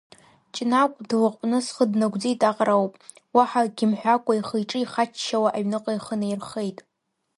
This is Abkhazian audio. Ҷнагә длаҟәны схы днагәӡит аҟара ауп, уаҳа акгьы мҳәакәа, ихы-иҿы ихаччауа, аҩныҟа ихы наирхеит.